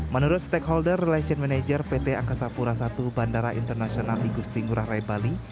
menurut stakeholder relation manager pt angkasa pura i bandara internasional igusti ngurah rai bali